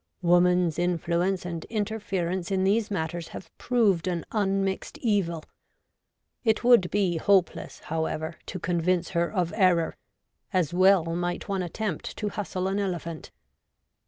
Woman's influence and interference in these 6o REVOLTED WOMAN. matters have proved an unmixed evil. It would be hopeless, however, to convince her of error : as well might one attempt to hustle an elephant.